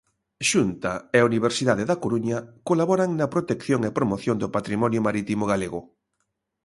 Xunta e Universidade da Coruña colaboran na protección e promoción do patrimonio marítimo galego.